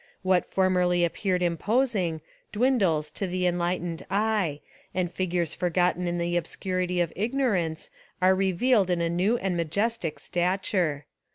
What formerly appeared imposing dwindles to the enlightened eye, and figures forgotten in the obscurity of ignorance are re vealed in a new and majestic stature.